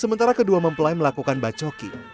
sementara kedua mempelai melakukan bacoki